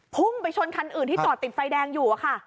พุ่งไปชนคันอื่นที่จอดติดไฟแดงอยู่อะค่ะ